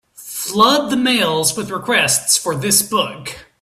Flood the mails with requests for this book.